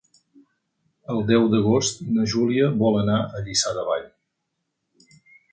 El deu d'agost na Júlia vol anar a Lliçà de Vall.